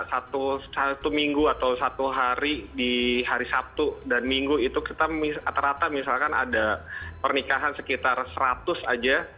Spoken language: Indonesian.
satu minggu atau satu hari di hari sabtu dan minggu itu kita rata rata misalkan ada pernikahan sekitar seratus aja